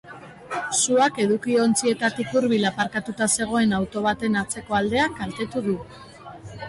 Suak edukiontzietatik hurbil aparkatuta zegoen auto baten atzeko aldea kaltetu du.